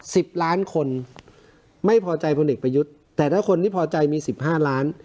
สิบล้านคนไม่พอใจพลเอกประยุทธ์แต่ถ้าคนที่พอใจมีสิบห้าล้าน